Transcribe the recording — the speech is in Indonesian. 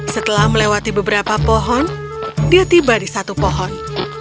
setelah melewati beberapa pohon dia tiba di satu pohon